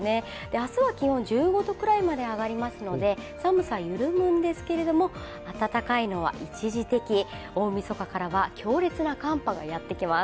明日は気温１５度くらいまで上がりますので、寒さ、緩むんですけれども、暖かいのは一時的、大みそかからは強烈な寒波がやってきます。